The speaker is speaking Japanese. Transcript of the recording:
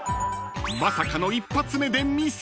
［まさかの１発目でミス！］